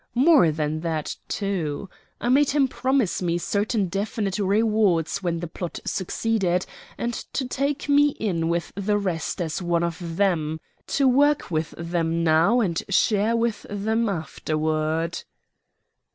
More than that, too, I made him promise me certain definite rewards when the plot succeeded, and to take me in with the rest as one of them to work with them now and share with them afterward."